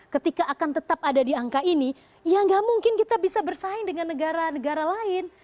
ketika akan tetap ada di angka ini ya nggak mungkin kita bisa bersaing dengan negara negara lain